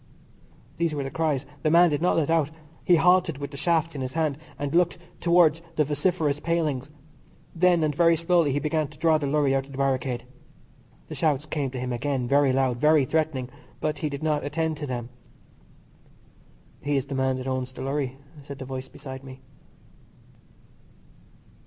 These were the cries. The man did not let out. He halted with the shafts in his hand, and looked towards the vociferous pailings. Then, and very slowly, he began to draw the lorry out of the barricade. The shouts came to him again, very loud, very threatening, but he did not attend to them. "He is the man that owns the lorry," said a voice beside me.